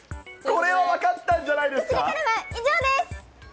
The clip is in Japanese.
これは分かったんじゃ以上です。